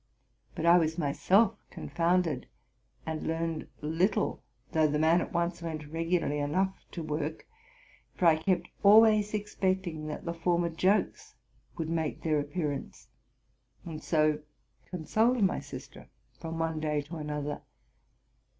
But I was myself confounded and learned little, though the man at once went regularly enough to work ; for I kept always expecting that the former jokes would make their appear ance, and so consoled my sister from one day to another.